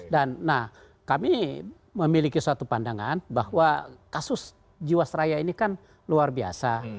dan kami memiliki suatu pandangan bahwa kasus jiwasraya ini kan luar biasa